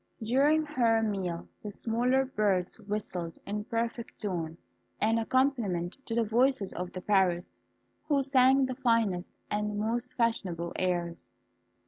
During her meal the smaller birds whistled, in perfect tune, an accompaniment to the voices of the parrots, who sang the finest and most fashionable airs.